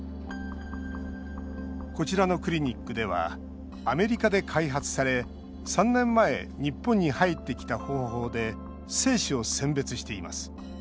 こちらのクリニックではアメリカで開発され３年前、日本に入ってきた方法で精子を選別しています。